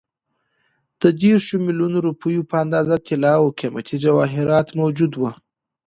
د دېرشو میلیونو روپیو په اندازه طلا او قیمتي جواهرات موجود وو.